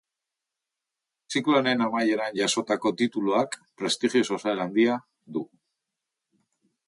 Ziklo honen amaieran jasotako tituluak prestigio sozial handia du.